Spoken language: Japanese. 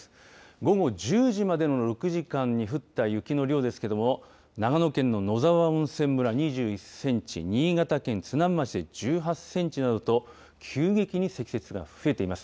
午後１０時までの６時間に降った雪の量ですけれど長野県の野沢温泉村２１センチ新潟県津南町で１８センチなどと急激に積雪が増えています。